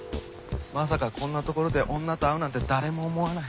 まさかこんな所で女と会うなんて誰も思わない。